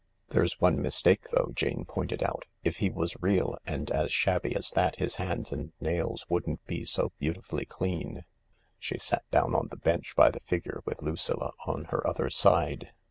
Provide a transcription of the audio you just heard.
"There's one mistake though," Jane pointed out. "If he was real and as shabby as that, his hands and nails wouldn't be so beautifully clean." She sat down on the bench by the figure with Lucilla on her other side.